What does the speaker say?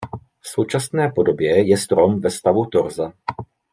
V současné podobě je strom ve stavu torza.